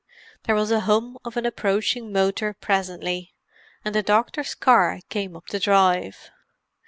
There was a hum of an approaching motor presently, and the doctor's car came up the drive.